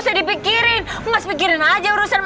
usah dipikirin mas pikirin aja urusan